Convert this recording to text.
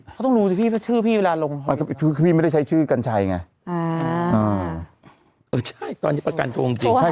เขาต้องรู้ที่พี่ชื่อพี่เวลาลงพี่ไม่ได้ใช้ชื่อกัญชัยไงอ่าเออเออใช่ตอนนี้ประกันโทรมาจริง